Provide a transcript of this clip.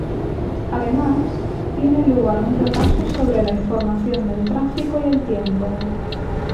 Además, tiene lugar un repaso sobre la información del tráfico y el tiempo.